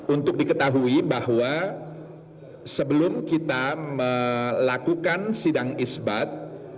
untuk diketahui bahwa sebelum kita melakukan sidang isbat